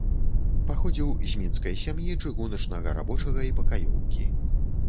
Паходзіў з мінскай сям'і чыгуначнага рабочага і пакаёўкі.